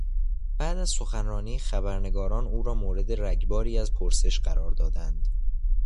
بعد از سخنرانی، خبرنگاران او را مورد رگباری از پرسش قرار دادند.